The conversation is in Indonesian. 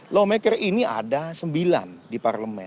lawmaker ini ada sembilan di parlemen